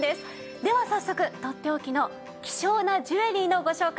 では早速とっておきの希少なジュエリーのご紹介